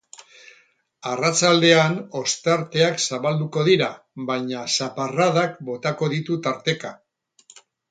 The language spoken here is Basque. Arratsaldean ostarteak zabalduko dira, baina zaparradak botako ditu tarteka.